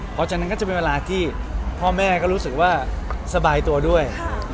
เพราะฉะนั้นก็จะเป็นเวลาที่พ่อแม่ก็รู้สึกว่าสบายตัวด้วย